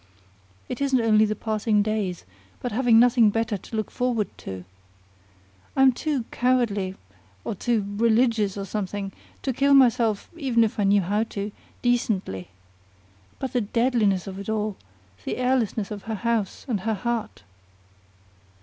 It isn't only the passing days, but having nothing better to look forward to. I'm too cowardly or too religious or something, to kill myself, even if I knew how to, decently. But the deadliness of it all, the airlessness of her house and her heart!